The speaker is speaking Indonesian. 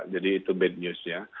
itu bad news ya